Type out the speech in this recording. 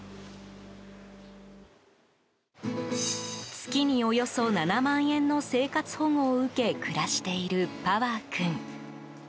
月におよそ７万円の生活保護を受け暮らしているパワー君。